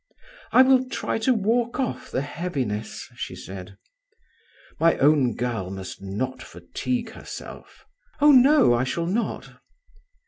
"I will try to walk off the heaviness," she said. "My own girl must not fatigue herself." "Oh, no; I shall not."